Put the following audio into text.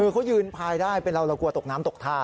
คือเขายืนพายได้เป็นเราเรากลัวตกน้ำตกท่า